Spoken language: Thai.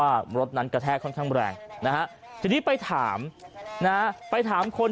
ว่ารถนั้นกระแทกค่อนข้างแรงนะฮะทีนี้ไปถามนะไปถามคน